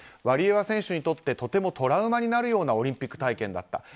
ワリエワ選手にとってとてもトラウマになるようなオリンピック体験だった。